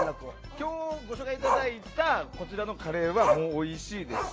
今日ご紹介いただいたこちらのカレーはもうおいしいです。